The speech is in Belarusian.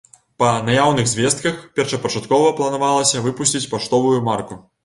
Па наяўных звестках, першапачаткова планавалася выпусціць паштовую марку.